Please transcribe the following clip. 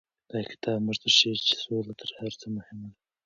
دا کتاب موږ ته ښيي چې سوله تر هر څه مهمه ده.